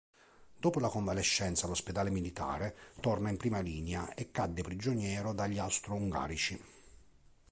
Dopo la convalescenza all'ospedale militare torna in prima linea e cade prigioniero dagli Austro-Ungarici.